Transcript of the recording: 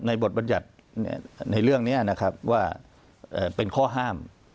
บทบรรยัติในเรื่องนี้นะครับว่าเป็นข้อห้าม